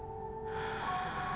はあ。